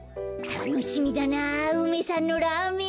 たのしみだな梅さんのラーメン。